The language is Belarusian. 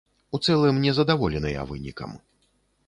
У цэлым не задаволеныя вынікам.